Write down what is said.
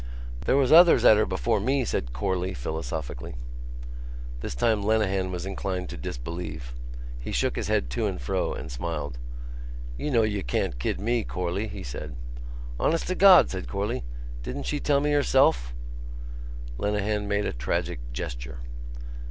"There was others at her before me," said Corley philosophically. This time Lenehan was inclined to disbelieve. He shook his head to and fro and smiled. "You know you can't kid me, Corley," he said. "Honest to God!" said Corley. "Didn't she tell me herself?" Lenehan made a tragic gesture.